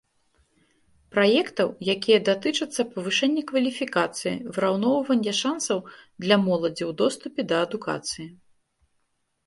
Праектаў, якія датычацца павышэння кваліфікацыі, выраўноўвання шансаў для моладзі ў доступе да адукацыі.